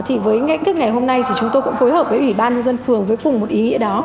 thì với ngãnh thức ngày hôm nay thì chúng tôi cũng phối hợp với ubnd phường với cùng một ý nghĩa đó